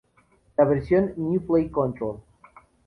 La versión "New Play Control!